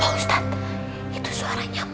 pak ustadz itu suaranya